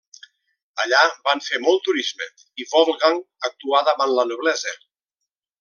Allà van fer molt turisme i Wolfgang actuà davant la noblesa.